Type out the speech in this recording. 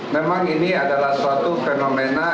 memang ini adalah suatu fenomena